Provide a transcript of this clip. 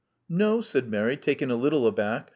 "No," said Mary, taken a little aback.